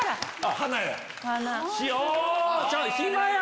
花や！